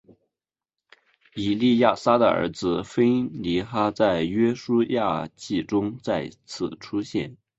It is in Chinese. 以利亚撒的儿子非尼哈在约书亚记中再次出现。